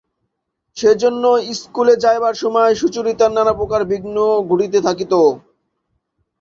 সেইজন্য ইস্কুলে যাইবার সময় সুচরিতার নানাপ্রকার বিঘ্ন ঘটিতে থাকিত।